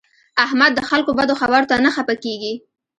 احمد د خلکو بدو خبرو ته نه خپه کېږي.